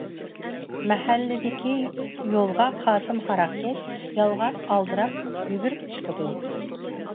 مەھەلىدىكى يولغا قاسىم ھاراقكەش يالغان ئالدىراپ يۈگۈرۈپ چىقىدۇ.